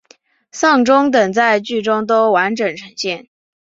丧钟等在剧中都完整呈现。